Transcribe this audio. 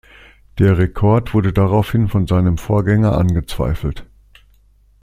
Der Rekord wurde daraufhin von seinem Vorgänger angezweifelt.